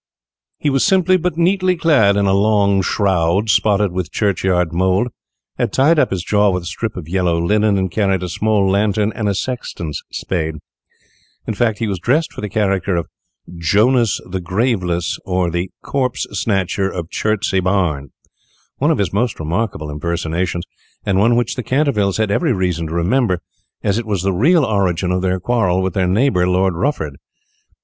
He was simply but neatly clad in a long shroud, spotted with churchyard mould, had tied up his jaw with a strip of yellow linen, and carried a small lantern and a sexton's spade. In fact, he was dressed for the character of "Jonas the Graveless, or the Corpse Snatcher of Chertsey Barn," one of his most remarkable impersonations, and one which the Cantervilles had every reason to remember, as it was the real origin of their quarrel with their neighbour, Lord Rufford.